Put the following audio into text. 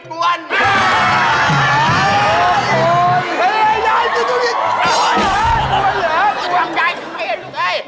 ป้วนยายทุเรียนลูกไอ้